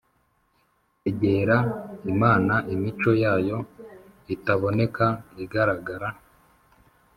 Egera Imana Imico yayo itaboneka igaragara